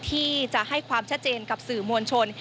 ที่จะให้ความชัดเจนกับสื่อมวลชน